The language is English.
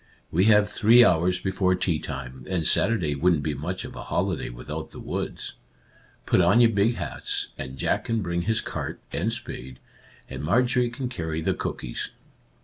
" We have three hours before tea time, and Saturday wouldn't be much of a holiday with out the woods. Put on your big hats, and Jack can bring his cart and spade, and Mar jorie can carry the cookies."